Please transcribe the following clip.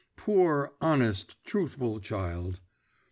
Poor, honest, truthful child!